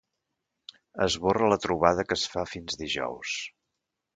Esborra la trobada que es fa fins dijous.